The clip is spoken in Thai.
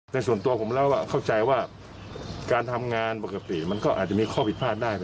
ส่วนตัวผมแล้วเข้าใจว่าการทำงานปกติมันก็อาจจะมีข้อผิดพลาดได้